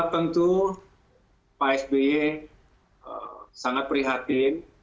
tentu pak sby sangat prihatin